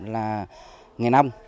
là nghề nông